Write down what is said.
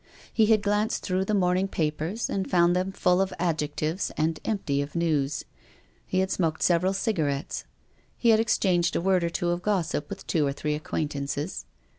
He had glanced through the morning papers and found them full of adjectives and empty of news. He had smoked several cigarettes. He had ex changed a word or two of gossip with two or three acquaintances.